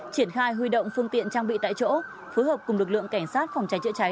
triển khai huy động phương tiện trang bị tại chỗ phối hợp cùng lực lượng cảnh sát phòng cháy chữa cháy